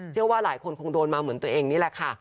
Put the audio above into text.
เชื่อว่าหลายคนคงโดนมาเหมือนตัวเองนี่แหละค่ะ